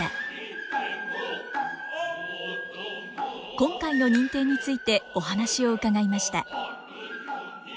今回の認定についてお話を伺いました。